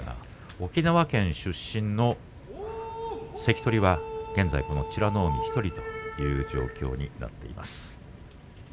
沖縄県出身の関取は現在美ノ海１人という状況になっています。